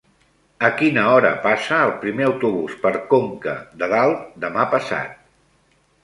A quina hora passa el primer autobús per Conca de Dalt demà passat?